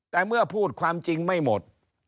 แต่เมื่อพูดความจริงไม่หมด